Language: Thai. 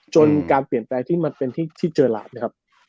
การเปลี่ยนแปลงที่มันเป็นที่เจอหลานนะครับ